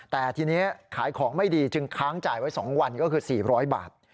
แต่ทีนี้ขายของไม่ดีจึงค้างจ่ายไว้๒วันก็คือ๔๐๐บาท